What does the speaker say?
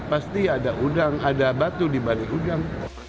pasti ada udang ada batu di balik udang